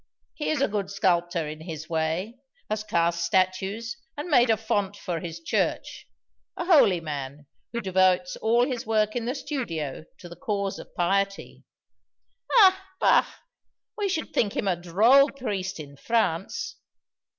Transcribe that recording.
He is a good sculptor in his way has cast statues and made a font for his church a holy man, who devotes all his work in the studio to the cause of piety." "Ah, bah! we should think him a droll priest in France.